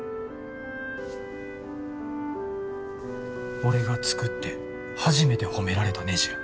俺が作って初めて褒められたねじや。